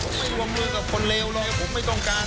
ผมไม่วงมือกับคนเลวเลยผมไม่ต้องการ